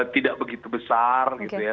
tidak begitu besar gitu ya